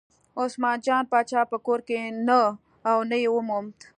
عثمان جان پاچا په کور کې نه و نه یې وموند.